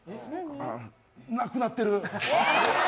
なくなってる。